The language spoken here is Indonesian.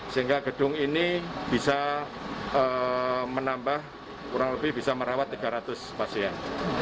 sehingga gedung ini bisa menambah kurang lebih bisa merawat tiga ratus pasien